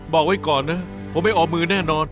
บอกไว้ก่อนนะผมไม่เอามือแน่นอน